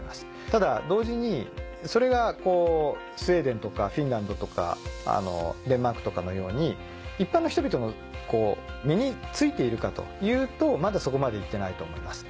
ただ同時にそれがスウェーデンとかフィンランドとかデンマークとかのように一般の人々に身に付いているかというとまだそこまで行ってないと思います。